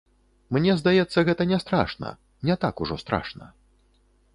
Мне здаецца, гэта не страшна, не так ужо страшна.